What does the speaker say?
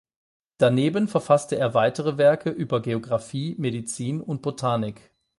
Daneben verfasste er weitere Werke über Geographie, Medizin und Botanik.